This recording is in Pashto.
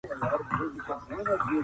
ښوونکی وويل چي سياست علم دی.